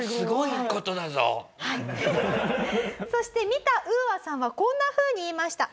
そして見たＵＡさんはこんなふうに言いました。